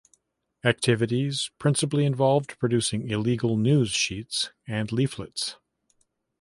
Activities principally involved producing illegal news sheets and leaflets.